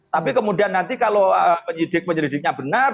tapi kemudian nanti kalau penyidik penyelidiknya benar